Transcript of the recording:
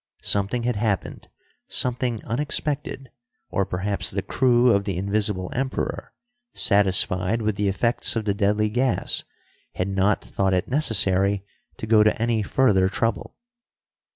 Something had happened, something unexpected or perhaps the crew of the Invisible Emperor, satisfied with the effects of the deadly gas, had not thought it necessary to go to any further trouble.